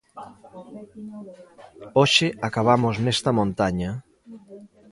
Hoxe acabamos nesta montaña.